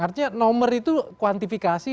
artinya nomor itu kuantifikasi